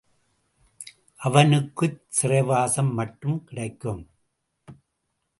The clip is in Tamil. அவனுக்குச் சிறைவாசம் மட்டும் கிடைக்கும்.